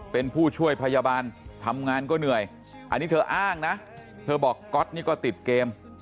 เป็นผู้ช่วยพยาบาลทำงานก็เหนื่อยอันนี้เธออ้างนะเธอบอกก๊อตนี่ก็ติดเกม